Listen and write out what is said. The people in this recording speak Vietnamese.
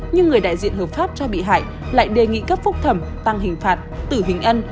nhưng người đại diện hợp pháp cho bị hại lại đề nghị cấp phúc thẩm tăng hình phạt tử hình ân